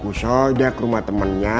kusoy dia ke rumah temennya